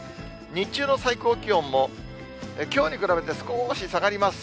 日中の最高気温も、きょうに比べて少し下がります。